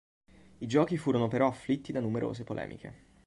I giochi furono però afflitti da numerose polemiche.